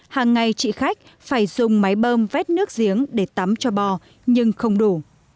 hàng ngày chị khách phải dùng máy bơm vét nước giếng để tắm cho bò nhưng không đủ